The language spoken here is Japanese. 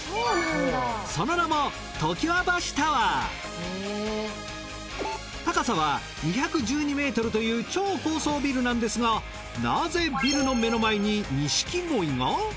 その名も高さは２１２ｍという超高層ビルなんですがなぜビルの目の前に錦鯉が？